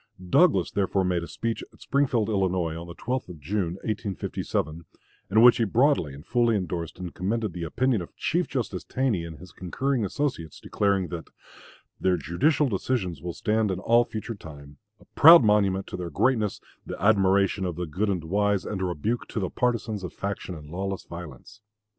Douglas, therefore, made a speech at Springfield, Illinois, on the 12th of June, 1857, in which he broadly and fully indorsed and commended the opinion of Chief Justice Taney and his concurring associates, declaring that "Their judicial decisions will stand in all future time, a proud monument to their greatness, the admiration of the good and wise, and a rebuke to the partisans of faction and lawless violence.